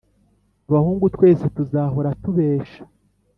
Abahungu twese tuzahora tubesha